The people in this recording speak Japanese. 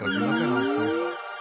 本当に。